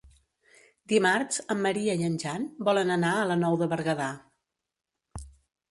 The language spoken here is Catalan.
Dimarts en Maria i en Jan volen anar a la Nou de Berguedà.